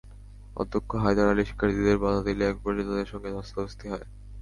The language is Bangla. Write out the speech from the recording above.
অধ্যক্ষ হায়দার আলী শিক্ষার্থীদের বাধা দিলে একপর্যায়ে তাঁদের সঙ্গে ধস্তাধস্তি হয়।